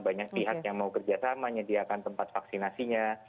banyak pihak yang mau kerja sama menyediakan tempat vaksinasinya